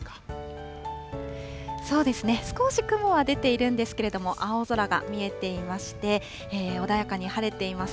そうですね、少し雲は出ているんですけれども、青空が見えていまして、穏やかに晴れています。